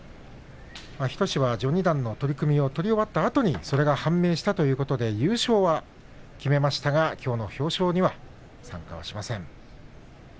日翔志は序二段の取組を取り終わったあとにそれが判明したということで優勝は決めましたがきょうの表彰には参加はしません。